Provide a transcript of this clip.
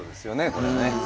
これはね。